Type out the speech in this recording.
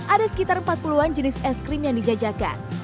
ada sekitar empat puluh an jenis es krim yang dijajakan